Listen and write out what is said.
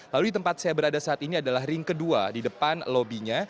lalu di tempat saya berada saat ini adalah ring kedua di depan lobinya